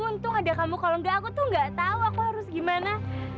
untung ada kamu kalo engga aku tuh gak tau aku harus gimana